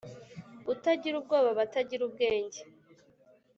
Utagira ubwoba aba atagra ubwenge.